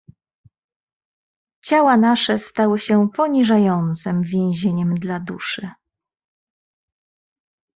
"Ciała nasze stały się poniżającem więzieniem dla duszy."